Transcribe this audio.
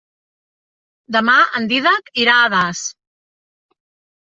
Demà en Dídac irà a Das.